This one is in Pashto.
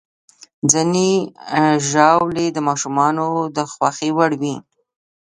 ځینې ژاولې د ماشومانو د خوښې وړ وي.